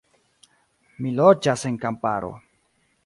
Mi loĝas en kamparo.